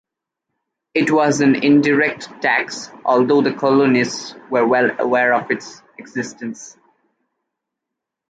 It was an indirect tax, although the colonists were well aware of its existence.